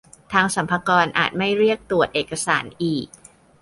ทางสรรพากรอาจไม่เรียกตรวจเอกสารอีก